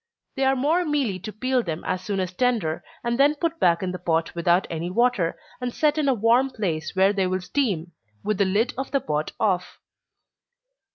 They are more mealy to peel them as soon as tender, and then put back in the pot without any water, and set in a warm place where they will steam, with the lid of the pot off.